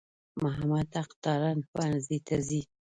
محمد حق تارڼ پوهنځي ته ځي.